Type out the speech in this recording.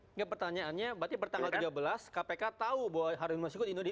ini pertanyaannya berarti per tanggal tiga belas kpk tahu bahwa harun masyukur di indonesia